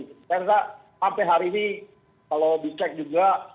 saya rasa sampai hari ini kalau dicek juga